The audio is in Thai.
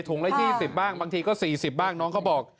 ถุงละ๒๐บ้างบางทีก็๔๐บ้าง